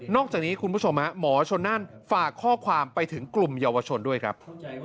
จากนี้คุณผู้ชมหมอชนนั่นฝากข้อความไปถึงกลุ่มเยาวชนด้วยครับ